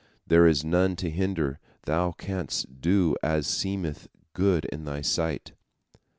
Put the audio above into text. There is none to hinder, Thou canst do as seemeth good in Thy sight."